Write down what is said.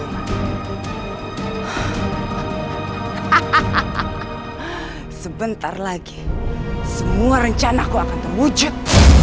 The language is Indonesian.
hahaha sebentar lagi semua rencana ku akan terwujud